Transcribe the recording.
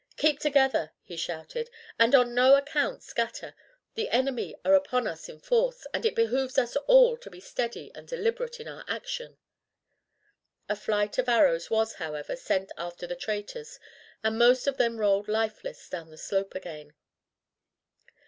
"Keep together," he shouted, "and on no account scatter; the enemy are upon us in force, and it behooves us all to be steady and deliberate in our action." A flight of arrows was, however, sent after the traitors, and most of them rolled lifeless down the slope again.